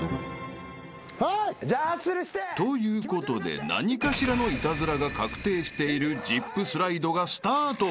ということで何かしらのイタズラが確定しているジップスライドがスタート］